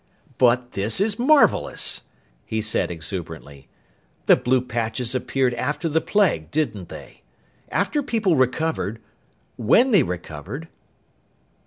"But this is marvellous!" he said exuberantly. "The blue patches appeared after the plague, didn't they? After people recovered when they recovered?"